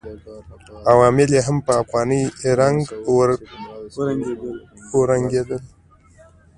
عوامل یې هم په افغاني رنګ ورنګېدل.